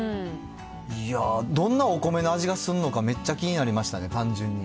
いやぁ、どんなお米の味がするのかめっちゃ気になりましたね、単純に。